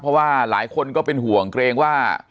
เพราะว่าหลายคนก็เป็นห่วงเกรงว่า